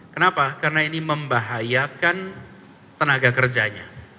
kenapa karena ini membahayakan tenaga kerjanya